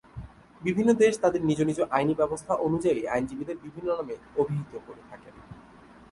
বিভিন্ন দেশ তাদের নিজ নিজ আইনী ব্যবস্থা অনুযায়ী আইনজীবীদের বিভিন্ন নামে অভিহিত করে থাকেন।